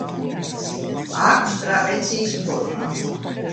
აქვს ტრაპეციის ფორმა.